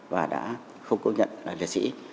và đã không công nhận là liệt sĩ